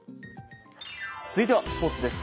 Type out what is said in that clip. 続いてはスポーツです。